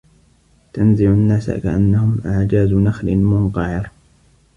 تَنزِعُ النّاسَ كَأَنَّهُم أَعجازُ نَخلٍ مُنقَعِرٍ